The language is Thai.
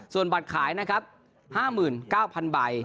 ส่วนบัตรขายนะครับ๕๙๐๐ใบ